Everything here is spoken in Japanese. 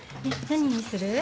何にする？